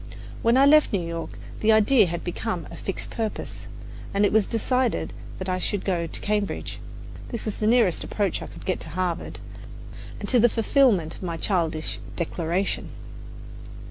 When I left New York the idea had become a fixed purpose; and it was decided that I should go to Cambridge. This was the nearest approach I could get to Harvard and to the fulfillment of my childish declaration.